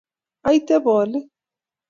aite bolik